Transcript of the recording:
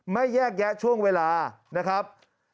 แยกแยะช่วงเวลานะครับ